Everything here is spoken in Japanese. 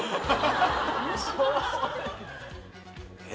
え？